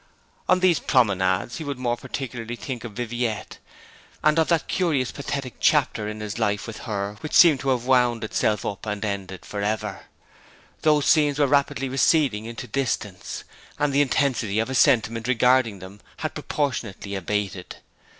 On these promenades he would more particularly think of Viviette, and of that curious pathetic chapter in his life with her which seemed to have wound itself up and ended for ever. Those scenes were rapidly receding into distance, and the intensity of his sentiment regarding them had proportionately abated.